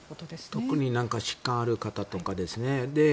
特に疾患がある方とかですね。